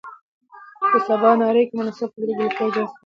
په سباناري کې مناسب خوراک د ګلوکوز جذب ښه کوي.